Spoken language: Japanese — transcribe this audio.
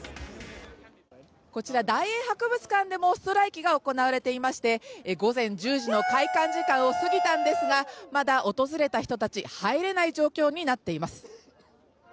こちら、大英博物館でもストライキが行われていまして午前１０時の開館時間を過ぎたんですがまだ訪れた人たち、入れない状況になっています。